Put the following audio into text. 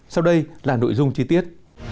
sau đây là nội dung chi tiết